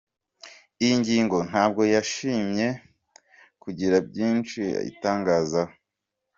Iyi ngingo ntabwo yashimye kugira byinshi ayitangazaho.